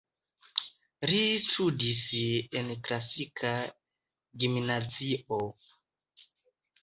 Li studis en klasika gimnazio.